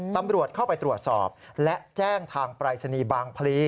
ตำรวจเข้าไปตรวจสอบและแจ้งทางปรายศนีย์บางพลี